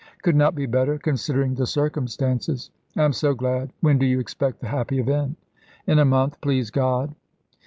"Could not be better, considering the circumstances." "I am so glad; when do you expect the happy event?" "In a month, please God."